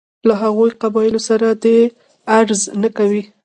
له هغو قبایلو سره دې غرض نه کوي.